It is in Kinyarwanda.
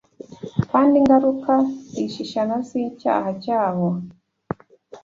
kandi ingaruka zishishana z’icyaha cyabo